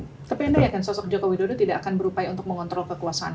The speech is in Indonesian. tapi anda yakin sosok jokowi dodo tidak akan berupaya untuk mengontrol kekuasaan